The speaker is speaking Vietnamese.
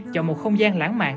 chọn một không gian lãng mạn